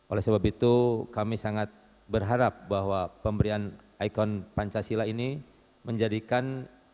oleh sebab itu kami sangat berharap bahwa pemberian ikon pancasila ini menjadikan